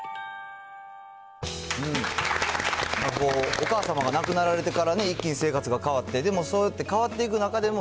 お母さまが亡くなられてからね、一気に生活が変わって、でも、そうやって変わっていく中でも、